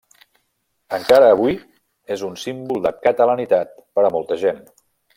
Encara avui, és un símbol de catalanitat per a molta gent.